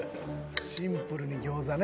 シンプルに餃子ね。